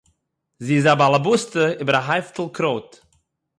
זי איז אַ בעל–הביתטע איבער אַ הייפּטל קרויט.